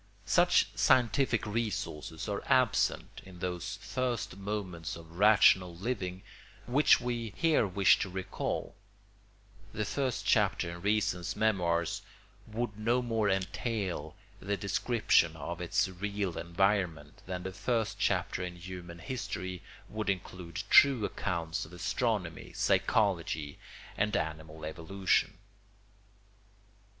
Such scientific resources are absent in those first moments of rational living which we here wish to recall; the first chapter in reason's memoirs would no more entail the description of its real environment than the first chapter in human history would include true accounts of astronomy, psychology, and animal evolution.